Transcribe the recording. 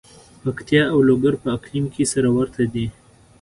پکتیا او لوګر په اقلیم کې سره ورته دي.